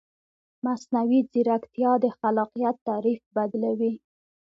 مصنوعي ځیرکتیا د خلاقیت تعریف بدلوي.